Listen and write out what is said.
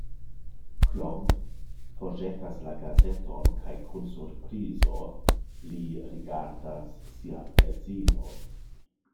Klomp forĵetas la gazeton kaj kun surprizo li rigardas sian edzinon.